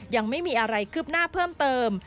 ยังไม่มีอะไรคืบหน้าเพิ่มเติม